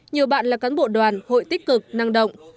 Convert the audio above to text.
nhiều bạn là cán bộ đoàn hội tích cực năng động